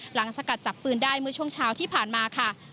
สกัดจับปืนได้เมื่อช่วงเช้าที่ผ่านมาค่ะ